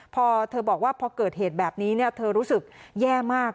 พอเธอบอกว่าพอเกิดเหตุแบบนี้เธอรู้สึกแย่มาก